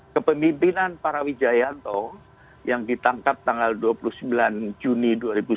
kepemimpinan para wijayanto yang ditangkap tanggal dua puluh sembilan juni dua ribu sembilan belas